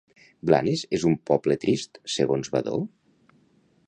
Blanes és un poble trist, segons Vadò?